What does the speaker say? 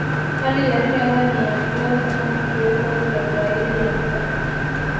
Hali ya hewa ni ya mvua sana kukiweko za zaidi ya mita